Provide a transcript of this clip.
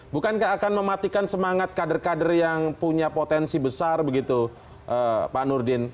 bukankah akan mematikan semangat kader kader yang punya potensi besar begitu pak nurdin